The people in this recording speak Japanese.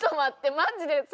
マジでさ。